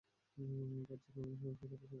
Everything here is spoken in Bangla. বা যেখানে থাকবে সাফল্যের সাথে শীর্ষে থাকবে।